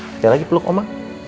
jangan lagi peluk oma